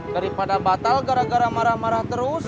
daripada batal gara gara marah marah terus